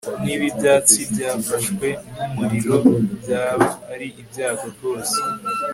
niba ibyatsi byafashwe n'umuriro, byaba ari ibyago rwose